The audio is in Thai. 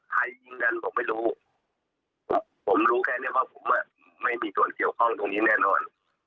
ยิงกันผมไม่รู้ผมรู้แค่นี้ว่าผมไม่มีส่วนเกี่ยวข้องตรงนี้แน่นอน